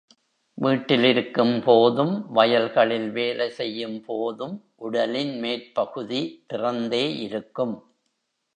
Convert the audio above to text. வீட்டிலிருக்கும்போதும், வயல்களில் வேலை செய்யும் போதும் உடலின் மேற்பகுதி திறந்தே இருக்கும்.